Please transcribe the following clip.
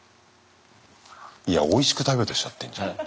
いやおいしく食べようとしちゃってんじゃん。